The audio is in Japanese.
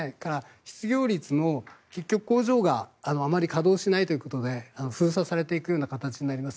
失業率も結局、工場があまり稼働しないということで封鎖されていくような形になります。